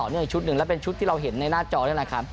นี่อีกชุดหนึ่งแล้วเป็นชุดที่เราเห็นในหน้าจอนี่แหละครับ